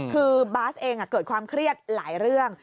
คือบาสเองเกิดความเครียดหลายเรื่อง